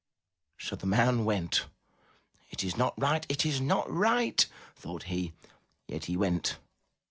'* So the man went. "It is not right! It is not right!'* thought he, yet he went.